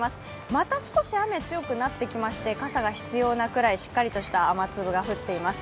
また少し雨、強くなってきまして、傘が必要なくらいしっかりとした雨粒が降っています。